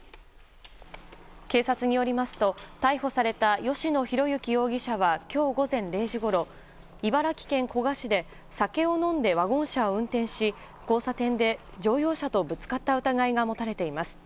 警察によりますと逮捕された吉野浩之容疑者は今日午前０時ごろ茨城県古河市で酒を飲んでワゴン車を運転し交差点で乗用車とぶつかった疑いが持たれています。